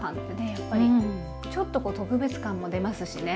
やっぱりちょっとこう特別感も出ますしね。